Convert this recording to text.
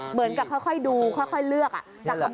เหมือนกับค่อยดูค่อยเลือกจะขโมยอะไร